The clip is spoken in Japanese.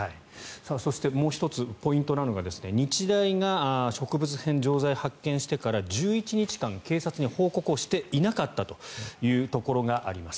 そして、もう１つポイントなのが日大が植物片、錠剤を発見してから１１日間、警察に報告をしていなかったというところがあります。